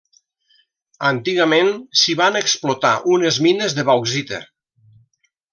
Antigament s’hi van explotar unes mines de bauxita.